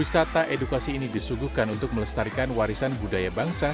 wisata edukasi ini disuguhkan untuk melestarikan warisan budaya bangsa